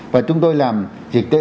và chúng tôi làm dịch tệ